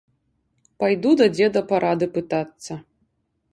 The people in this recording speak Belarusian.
Пайду да дзеда парады пытацца.